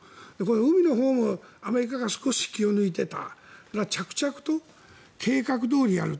海のほうもアメリカが少し気を抜いていたら着々と計画どおりやる。